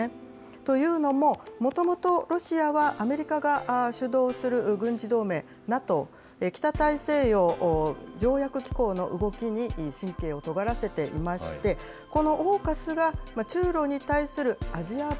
というのも、もともとロシアは、アメリカが主導する軍事同盟、ＮＡＴＯ・北大西洋条約機構の動きに神経をとがらせていまして、このオーカスが、中ロに対するアジア版